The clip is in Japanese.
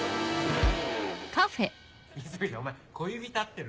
溝口お前小指立ってる。